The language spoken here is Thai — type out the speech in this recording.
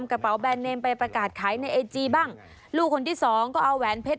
คืนมาแล้วครับผม